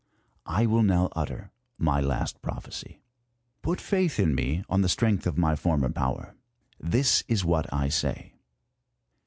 I will now utter my last prophecy. Put faith in me on the strength of my former power. This is what I say.